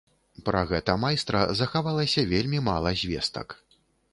Пра гэта майстра захавалася вельмі мала звестак.